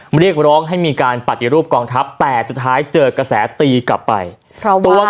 เรียกร้องให้มีการปฏิรูปกองทัพแต่สุดท้ายเจอกระแสตีกลับไปเพราะว่าตัว